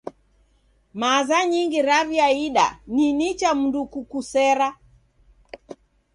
Maza nyingi raw'iaida ni nicha mndu kukusera.